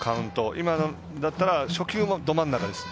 今のだったら初球もど真ん中です。